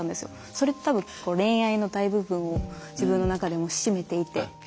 それって多分恋愛の大部分を自分の中でも占めていて。